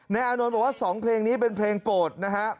อานนท์บอกว่า๒เพลงนี้เป็นเพลงโปรดนะฮะ